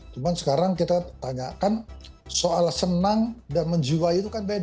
cuma sekarang kita tanyakan soal senang dan menjiwai itu kan beda